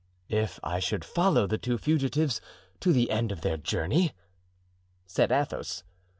"If I should follow the two fugitives to the end of their journey?" said Athos.